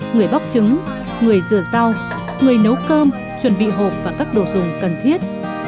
người bóc trứng người rửa rau người nấu cơm chuẩn bị hộp và các đồ dùng cần thiết